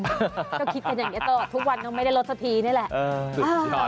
ก็คิดกันอย่างนี้ตลอดทุกวันก็ไม่ได้ลดสักทีนี่แหละ